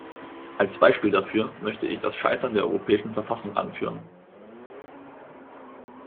Als Beispiel dafür möchte ich das Scheitern der Europäischen Verfassung anführen.